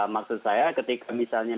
maksud saya ketika misalnya